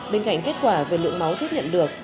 bên cạnh kết quả về lượng máu thiết hiện được